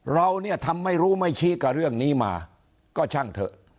เราเนี่ยทำไม่รู้ไม่ชี้กับเรื่องนี้มาก็ช่างเถอะ